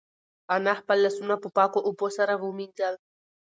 انا خپل لاسونه په پاکو اوبو سره ومینځل.